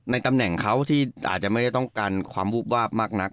ตำแหน่งเขาที่อาจจะไม่ได้ต้องการความวูบวาบมากนัก